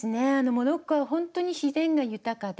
モロッコはほんとに自然が豊かで。